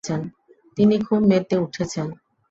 তিনি খুব মেতে উঠেছেন।